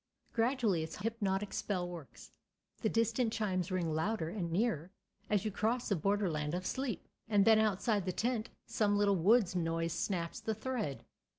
Gradually its hypnotic spell works. The distant chimes ring louder and nearer as you cross the borderland of sleep. And then outside the tent some little woods noise snaps the thread.